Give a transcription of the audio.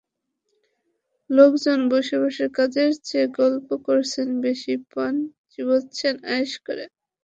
লোকজন বসে বসে কাজের চেয়ে গল্প করছেন বেশি, পান চিবুচ্ছেন আয়েশ করে।